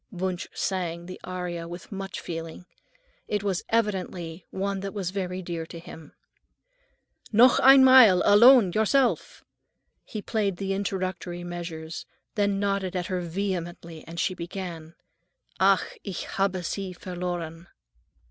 Wunsch sang the aria with much feeling. It was evidently one that was very dear to him. "Noch einmal, alone, yourself." He played the introductory measures, then nodded at her vehemently, and she began:— "Ach, ich habe sie verloren."